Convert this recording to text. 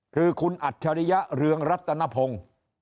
คือคุณอัจฉริยะเรืองรัตนพงศ์